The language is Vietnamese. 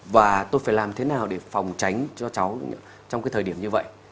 và tôi phải làm thế nào để phòng tránh cho cháu trong cái thời điểm như vậy